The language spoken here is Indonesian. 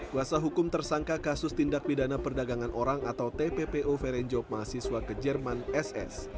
kuasa hukum tersangka kasus tindak pidana perdagangan orang atau tppo ferencjov mahasiswa ke jerman ss